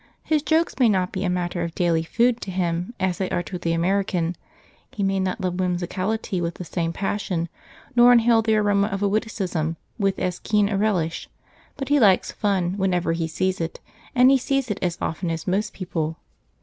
His jokes may not be a matter of daily food to him, as they are to the American; he may not love whimsicality with the same passion, nor inhale the aroma of a witticism with as keen a relish; but he likes fun whenever he sees it, and he sees it as often as most people.